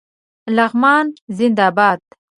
لغمان زنده باد